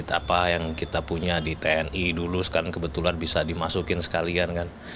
apa yang kita punya di tni dulu kan kebetulan bisa dimasukin sekalian kan